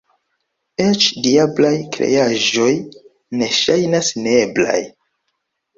Eĉ diablaj kreaĵoj ne ŝajnas neeblaj.